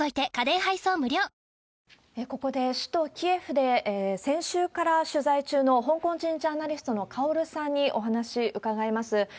ここで、首都キエフで先週から取材中の香港人ジャーナリストのカオルさんにお話伺います。